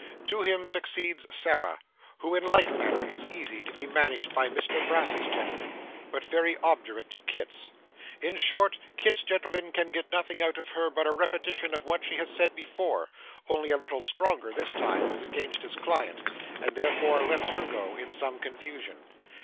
To him succeeds Sarah, who in like manner is easy to be managed by Mr Brass's gentleman, but very obdurate to Kit's. In short, Kit's gentleman can get nothing out of her but a repetition of what she has said before (only a little stronger this time, as against his client), and therefore lets her go, in some confusion.